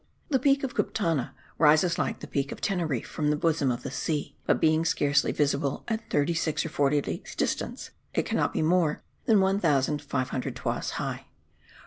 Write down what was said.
The peak of Cuptana rises like the peak of Teneriffe, from the bosom of the sea; but being scarcely visible at thirty six or forty leagues distance, it cannot be more than 1500 toises high.